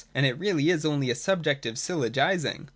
And it really is only a subjective syllogising.